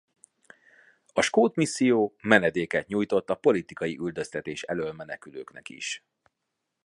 A Skót Misszió menedéket nyújtott a politikai üldöztetés elől menekülőknek is.